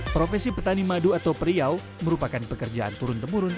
profesi petani madu atau periau merupakan pekerjaan turun temurun